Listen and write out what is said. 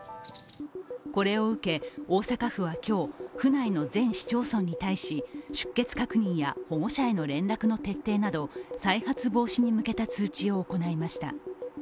これを受け、大阪府は今日府内の全市町村に対し出欠確認や保護者への連絡の徹底など再発防止に向けた通知を行いました。